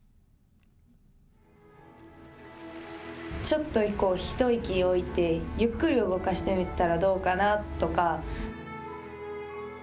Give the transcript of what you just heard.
ちょっと一息置いてゆっくり動かしてみたらどうかなとか。